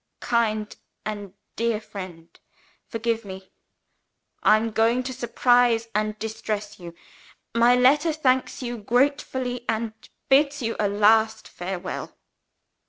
"KIND AND DEAR FRIEND, Forgive me: I am going to surprise and distress you. My letter thanks you gratefully; and bids you a last farewell.